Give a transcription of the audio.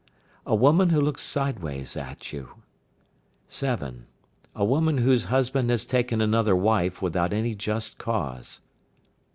A woman who looks sideways at you. 7. A woman whose husband has taken another wife without any just cause.